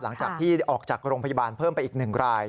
หลังจากที่ออกจากโรงพยาบาลเพิ่มไปอีก๑ราย